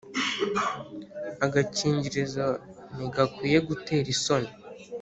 Agakingirizo ntigakwiye gutera isoni